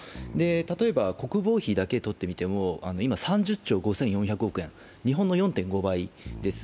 例えば国防費だけとって見ても今、３０兆５４００億円、日本の４．５倍です。